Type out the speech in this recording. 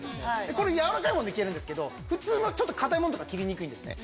これやわらかいものはいけるんですけどちょっと硬いものとか切りにくいんですね。